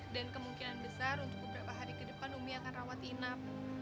dan kemungkinan besar untuk beberapa hari ke depan umi akan rawat inap